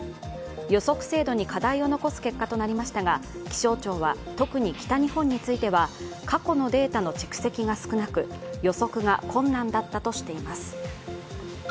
予測精度に課題を残す結果となりましたが気象庁は特に北日本については過去のデータの蓄積が少なく、予測が困難だったとしています。